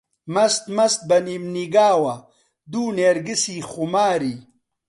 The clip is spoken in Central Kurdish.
مەست مەست بە نیمنیگاوە، دوو نێرگسی خوماری